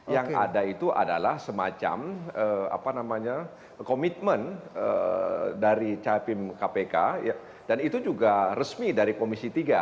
yang ada itu adalah semacam komitmen dari capim kpk dan itu juga resmi dari komisi tiga